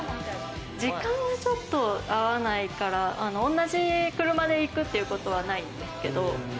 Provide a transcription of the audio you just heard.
時間がちょっと合わないから、同じ車で行くっていうことはないんですけど。